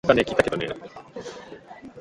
The fan vault is peculiar to England.